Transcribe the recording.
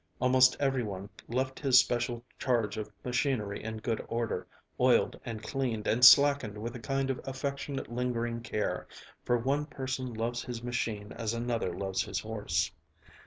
Almost everyone left his special charge of machinery in good order, oiled and cleaned and slackened with a kind of affectionate lingering care, for one person loves his machine as another loves his horse.